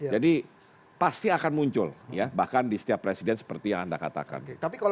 jadi pasti akan muncul ya bahkan di setiap presiden seperti yang anda katakan